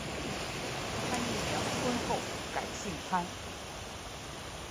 潘玉良婚后改姓潘。